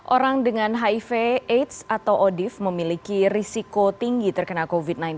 orang dengan hiv aids atau odif memiliki risiko tinggi terkena covid sembilan belas